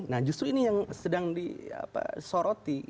nah justru ini yang sedang disoroti